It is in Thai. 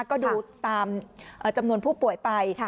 ก็ดูตามจำนวนผู้ป่วยไป